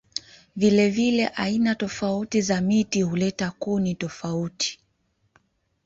Vilevile aina tofauti za miti huleta kuni tofauti.